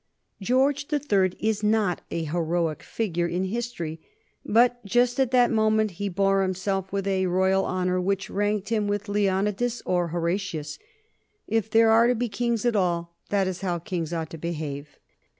George the Third is not a heroic figure in history, but just at that moment he bore himself with a royal honor which ranked him with Leonidas or Horatius. If there are to be kings at all, that is how kings ought to behave.